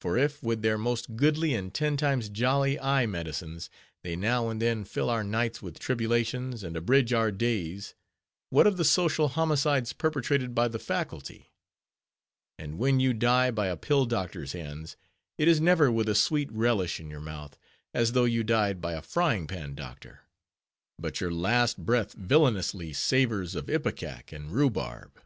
For if with their most goodly and ten times jolly medicines, they now and then fill our nights with tribulations, and abridge our days, what of the social homicides perpetrated by the Faculty? And when you die by a pill doctor's hands, it is never with a sweet relish in your mouth, as though you died by a frying pan doctor; but your last breath villainously savors of ipecac and rhubarb.